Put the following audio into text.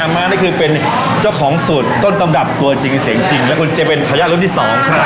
มานี่คือเป็นเจ้าของสูตรต้นตำรับตัวจริงเสียงจริงแล้วคุณจะเป็นทายาทรุ่นที่สอง